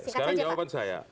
sekarang jawaban saya